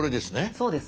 そうです。